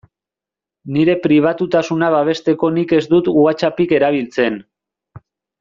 Nire pribatutasuna babesteko nik ez dut WhatsAppik erabiltzen.